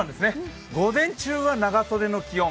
午前中は長袖の気温。